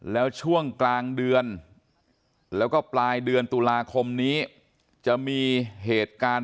แล้วช่วงกลางเดือนแล้วก็ปลายเดือนตุลาคมนี้จะมีเหตุการณ์